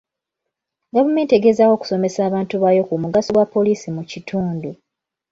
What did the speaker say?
Gavumenti egezaako okusomesa abantu baayo ku mugaso gwa poliisi mu kitundu.